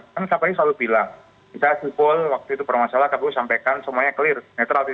kan saya selalu bilang kita jubul waktu itu bermasalah kami sampaikan semuanya clear netral